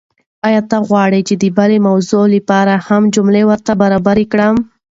ایا غواړئ چې د بلې موضوع لپاره هم ورته جملې برابرې کړم؟